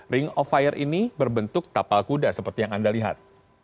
ring of fire ini berbentuk tapal kuda seperti yang anda lihat